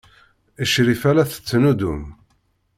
Crifa la tettnuddum.